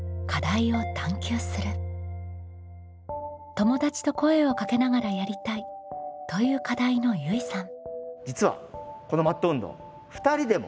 「友達と声をかけながらやりたい」という課題のゆいさん。